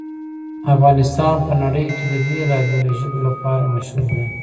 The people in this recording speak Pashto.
افغانستان په نړۍ کې د بېلابېلو ژبو لپاره مشهور دی.